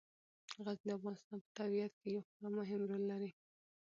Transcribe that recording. غزني د افغانستان په طبیعت کې یو خورا مهم رول لري.